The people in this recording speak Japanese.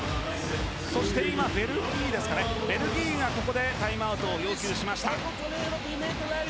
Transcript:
そしてベルギーがここでタイムアウトを要求。